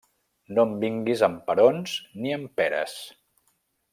No em vinguis amb perons ni amb peres.